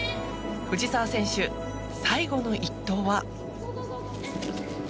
藤澤選手、最後の１投は。